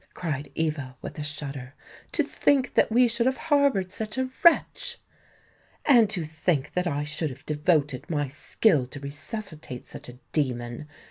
cried Eva, with a shudder. "To think that we should have harboured such a wretch!" "And to think that I should have devoted my skill to resuscitate such a demon!"